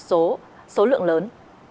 số số lượng lớn